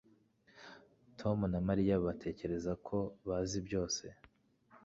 Tom na Mariya batekereza ko bazi byose